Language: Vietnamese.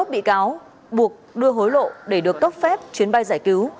hai mươi bị cáo buộc đưa hối lộ để được cấp phép chuyến bay giải cứu